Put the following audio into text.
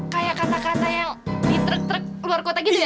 kayak kata kata yang di truk truk luar kota gitu ya